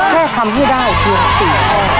แค่คำที่ได้เพียงสี